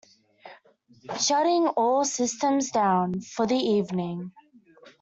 Shutting all systems down for the evening.